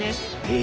え